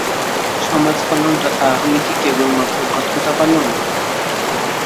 সমাজপালনটা তা হলে কি কেবলমাত্র ভদ্রতাপালন?